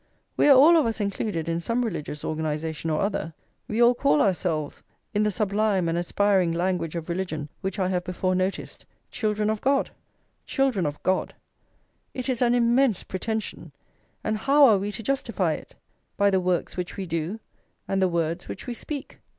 We are all of us included in some religious organisation or other; we all call ourselves, in the sublime and aspiring language of religion which I have before noticed, children of God. Children of God; it is an immense pretension! and how are we to justify it? By the works which we do, and the words which we speak.